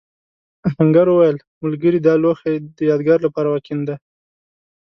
آهنګر وویل ملګري دا لوښی د یادگار لپاره وکېنده.